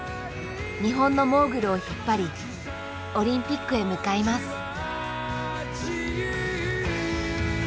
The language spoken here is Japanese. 日本のモーグルを引っ張りオリンピックへ向かいます。